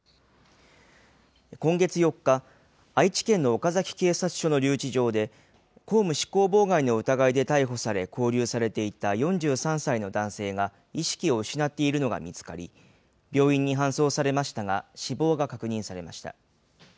今月４日、愛知県の岡崎警察署の留置場で、公務執行妨害の疑いで逮捕され、勾留されていた４３歳の男性が意識を失っているのが見つかり、病院に搬送されましたが、死亡が確認されました。